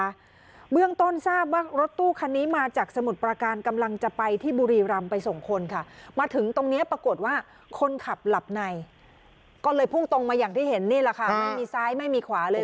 ก็เลยพุ่งตรงมาอย่างที่เห็นนี่แหละค่ะไม่มีซ้ายไม่มีขวาเลย